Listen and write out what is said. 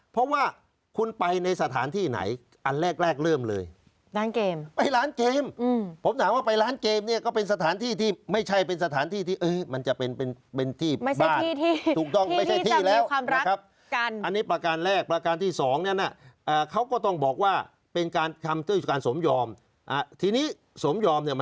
เพราะว่าคุณไปในสถานที่ไหนอันแรกเริ่มเลย